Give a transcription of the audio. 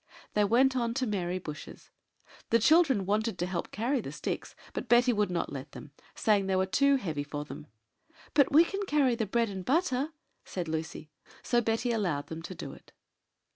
They went on to Mary Bush's. The children wanted to help to carry the sticks, but Betty would not let them, saying they were too heavy for them. "But we can carry the bread and butter," said Lucy; so Betty allowed them to do it.